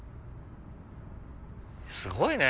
すごいね！